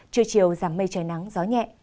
trưa chiều giảm mây trời nắng gió nhẹ